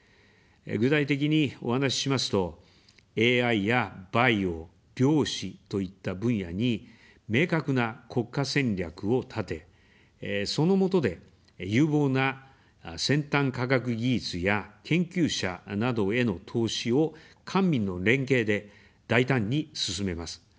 具体的にお話ししますと、ＡＩやバイオ、量子といった分野に明確な国家戦略を立て、そのもとで、有望な先端科学技術や研究者などへの投資を官民の連携で大胆に進めます。